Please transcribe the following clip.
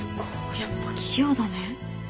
やっぱ器用だね。